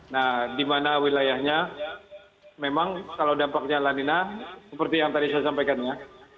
nah di mana wilayahnya memang kalau dampaknya lanina seperti yang tadi saya sampaikan ya